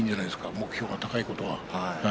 目標が高いことは。